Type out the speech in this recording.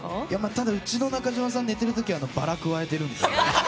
ただ、うちの中島さん寝てる時はバラをくわえているので。